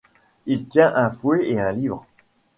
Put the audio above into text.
Il tient un fouet et un livre.